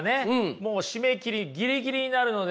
もう締め切りギリギリになるのでね。